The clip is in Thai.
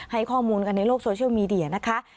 ให้ข้อมูลกันในโลกโซเชียลมีเดียนะคะ